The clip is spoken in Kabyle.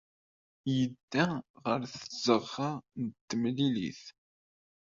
Yedda ɣer tzeɣɣa n temlilit.